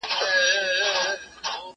لږ به خورم ارام به اوسم.